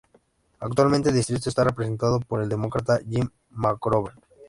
Actualmente el distrito está representado por el Demócrata Jim McGovern.